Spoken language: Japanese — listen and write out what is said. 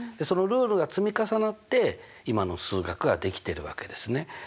そのルールが積み重なって今の数学が出来てるわけですね。